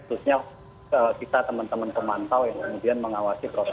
terusnya kita teman teman pemantau yang kemudian mengawasi prosesnya